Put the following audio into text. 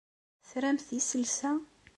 Tramt iselsa?